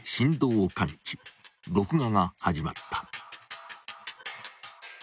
［録画が始まった］